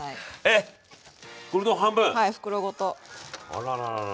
あらららら。